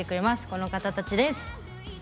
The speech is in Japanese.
この方たちです！